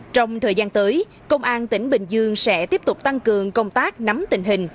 trong thời gian tới công an tỉnh bình dương sẽ tiếp tục tăng cường công tác nắm tình hình